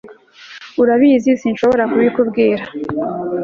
urabizi sinshobora kubikubwira